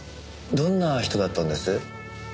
どんな人だったんです？